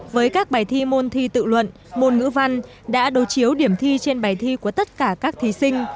với các bài thi môn thi tự luận môn ngữ văn đã đối chiếu điểm thi trên bài thi của tất cả các thí sinh